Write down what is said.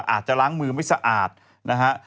อาจจะล้างมือไม่สะอาดนะฮะ